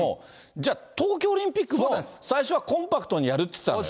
じゃあ、東京オリンピックも、最初はコンパクトにやるって言ってたのね。